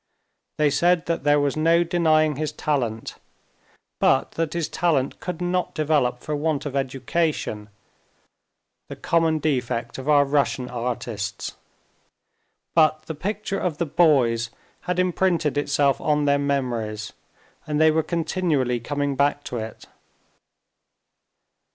They said that there was no denying his talent, but that his talent could not develop for want of education—the common defect of our Russian artists. But the picture of the boys had imprinted itself on their memories, and they were continually coming back to it.